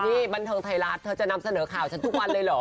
นี่บันเทิงไทยรัฐเธอจะนำเสนอข่าวฉันทุกวันเลยเหรอ